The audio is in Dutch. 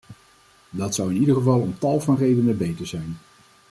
Dat zou in ieder geval om tal van redenen beter zijn.